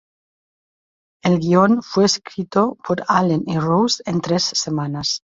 El guion fue escrito por Allen y Rose en tres semanas.